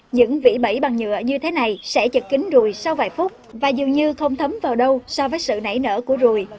những vĩ bẩy bằng nhựa như thế này sẽ chật kính rùi sau vài phút và dường như không thấm vào đâu so với sự nảy nở của ruồi